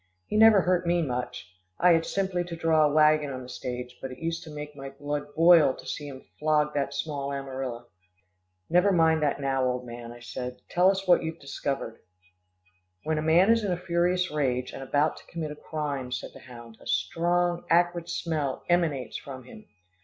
He never hurt me much. I had simply to draw a wagon on the stage, but it used to make my blood boil to see him flog that small Amarilla." "Never mind that now, old man," I said, "tell us what you've discovered." "When a man is in a furious rage, and about to commit a crime," said the hound, "a strong acrid smell emanates from him.